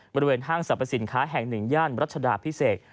บริเวณห้างสรรพสินค้าแห่ง๑ย่านรัชดาพิเศษ